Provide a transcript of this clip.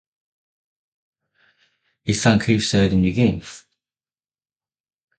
His son Keith served in New Guinea.